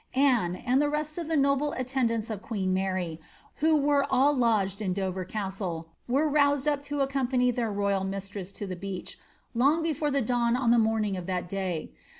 Anne, and the rest of the noble attend ants of queen Mary, who were all lodged in Dover Castle, were roused up to accompany their royal mistress to the beach, long before the dawn on the morning of that day.